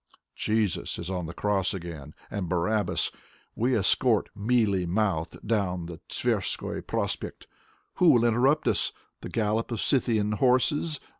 Jesus is on the cross again, and Barabbas We escort, mealy mouthed, down the Tverskoi Pros pekt. ... Who will interrupt, who? The gallop of Scythian horses?